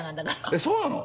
えっそうなの？